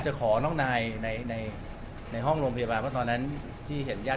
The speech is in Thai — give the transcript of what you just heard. เป็นคอบครัวที่ใหญ่มากย่านพี่น้องมาก